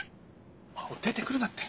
出てくるなって！